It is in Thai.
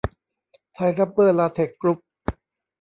ไทยรับเบอร์ลาเท็คซ์กรุ๊ป